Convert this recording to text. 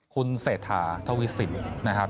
คุณเศรษฐาทวีสินนะครับ